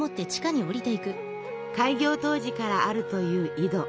開業当時からあるという井戸。